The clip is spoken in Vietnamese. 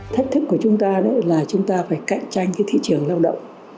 thách thức của chúng ta là chúng ta phải cạnh tranh cái thị trường lao động